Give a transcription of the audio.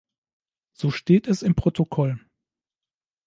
So steht es im Protokoll.